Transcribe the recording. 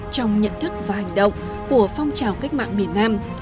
trong nhận thức và hành động của phong trào cách mạng miền nam